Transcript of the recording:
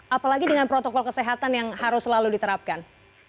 apalagi dengan protokol kesehatan yang harus selalu diterapkan